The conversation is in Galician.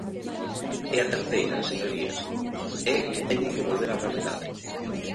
E a terceira, señorías, é que teñen que volver á realidade.